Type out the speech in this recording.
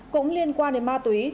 cũng liên quan đến ma túy